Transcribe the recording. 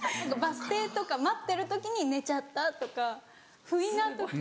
バス停とか待ってる時に寝ちゃったとか不意な時。